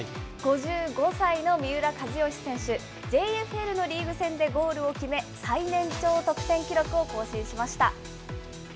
５５歳の三浦知良選手、ＪＦＬのリーグ戦でゴールを決め、最年長得点記録を更新しました。